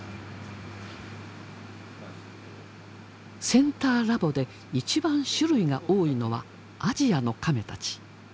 センターラボで一番種類が多いのはアジアのカメたち。